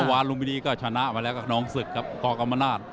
วาลุมพินีก็ชนะไปแล้วกับน้องศึกครับกกรรมนาศ